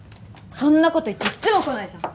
そんなこと言っていっつも来ないじゃん。